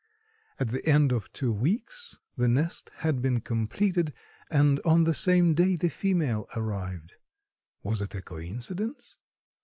At the end of two weeks the nest had been completed and on the same day the female arrived. Was it a coincidence?